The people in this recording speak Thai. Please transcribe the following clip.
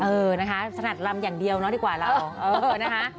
เออนะคะสนัดลำอย่างเดียวเนาะดีกว่าเราเออนะคะ